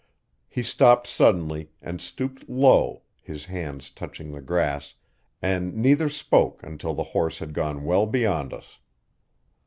He stopped suddenly and stooped low his hands touching the grass and neither spoke until the horse had gone well beyond us.